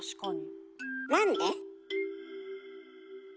なんで？